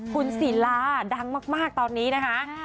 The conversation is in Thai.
คุณศิลาดังมากตอนนี้นะคะ